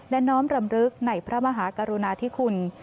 และน้อมรำลึกในพระมหากรุณาธิคุณ